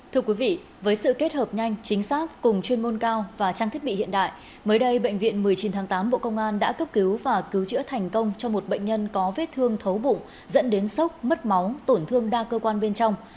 thưa quý vị với sự kết hợp nhanh chính xác cùng chuyên môn cao và trang thiết bị hiện đại mới đây bệnh viện một mươi chín tháng tám bộ công an đã cấp cứu và cứu chữa thành công cho một bệnh nhân có vết thương thấu bụng dẫn đến sốc mất máu tổn thương đa cơ quan bên trong